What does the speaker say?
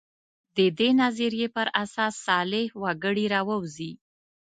د دې نظریې پر اساس صالح وګړي راووځي.